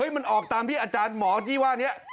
มันออกตามที่อาจารย์หมอที่ว่านี้